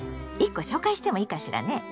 １個紹介してもいいかしらね。